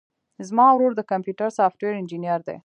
زما ورور د کمپيوټر سافټوېر انجينر دی.